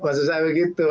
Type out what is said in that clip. maksud saya begitu